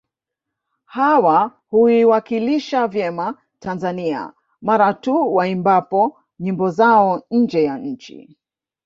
Hawa huiwakilisha vyema Tanzania mara tu waimbapo nyimbo zao nje ya nchi